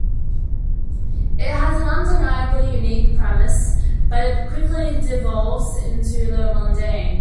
It has an undeniably unique premise, but it quickly devolves into the mundane.